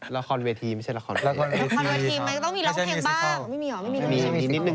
ละครเวทีไม่ใช่ละครโน้น